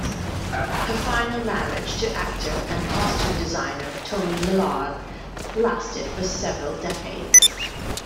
Her final marriage, to actor and costume designer Tony Millard, lasted for several decades.